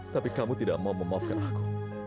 tapi kamu tidak mau memaafkan aku